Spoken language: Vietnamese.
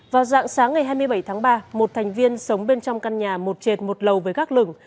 vào dạng sáng ngày hai mươi bảy tháng ba một thành viên sống bên trong căn nhà một trệt một lầu với gác lửng